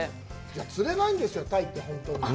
釣れないんですよ、鯛って本当に。